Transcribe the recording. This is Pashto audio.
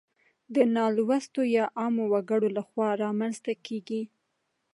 د نالوستو يا عامو وګړو لخوا رامنځته کيږي.